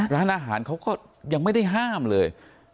ร้านอาหารเขาก็ยังไม่ได้ห้ามเลย